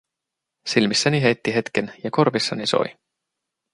Silmissäni heitti hetken ja korvissani soi.